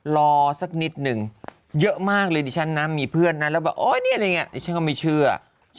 รอสักนิดหนึ่งเยอะมากเลยนะดิฉันนั้นมีเพื่อนนะนะก็ไม่เชื่อ